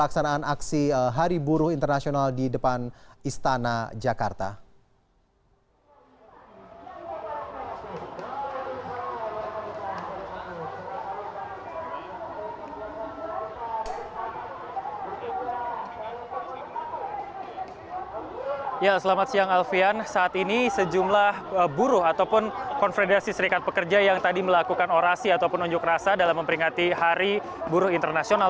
saat ini sejumlah buruh ataupun konfederasi serikat pekerja yang tadi melakukan orasi ataupun nunjuk rasa dalam memperingati hari buruh internasional